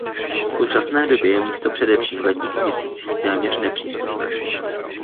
V současné době je místo především v letních měsících téměř nepřístupné.